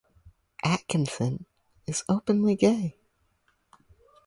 Atkinson is openly gay.